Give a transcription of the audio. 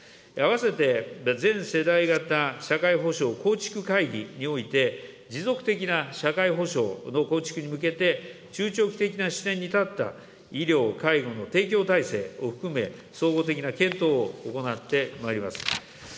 併せて全世代型社会保障構築会議において、持続的な社会保障の構築に向けて、中長期的な視点に立った医療・介護の提供体制を含め、総合的な検討を行ってまいります。